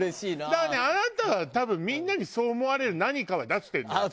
だからねあなたは多分みんなにそう思われる何かは出してるのよ。